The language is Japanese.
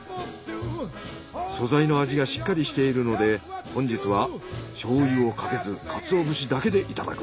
素材の味がしっかりしているので本日はしょうゆをかけずかつお節だけでいただく。